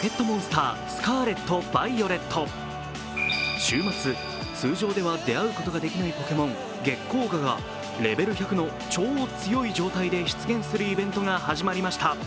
週末、通常では出会うことができないポケモン、ゲッコウガがレベル１００の超強い状態で出現するイベントが始まりました。